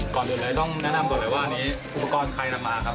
ก่อนอื่นเลยต้องแนะนำก่อนเลยว่าอันนี้อุปกรณ์ใครนำมาครับ